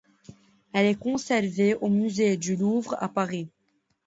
Elle est conservée au Musée du Louvre à Paris.